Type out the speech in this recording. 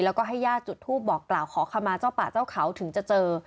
แล้วก็ให้ญาติจุดทูปบอกกล่าวขอขมาเจ้าป่าเจ้าเขาถึงจะเจอ